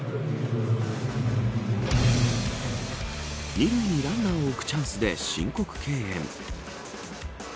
２塁にランナーを置くチャンスで申告敬遠。